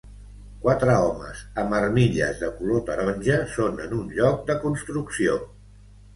Quatre homes amb armilles de color taronja són en un lloc de construcció.